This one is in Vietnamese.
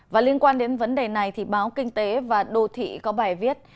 và liên quan đến vấn đề này thì báo kinh tế và đô thị có bài viết